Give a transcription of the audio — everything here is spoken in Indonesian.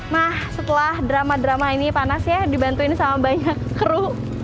nah setelah drama drama ini panas ya dibantuin sama banyak kru